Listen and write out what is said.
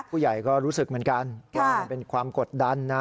ผู้ใหญ่ก็รู้สึกเหมือนกันว่ามันเป็นความกดดันนะ